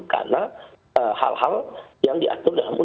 karena hal hal yang diatur dalam pensiun